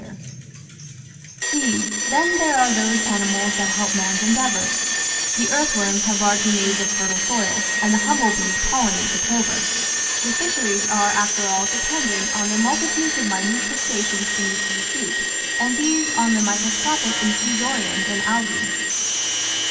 Inter Relations of Living Creatures 659 that help man's endeavours. The earthworms have largely made the fertile soil, and the humble bees pollinate the clover. The fish eries are after all dependent on the multitudes of minute crusta ceans in the sea soup, and these on the microscopic Infusorians and Algaa.